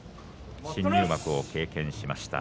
新入幕経験しました。